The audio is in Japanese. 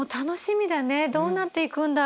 どうなっていくんだろう？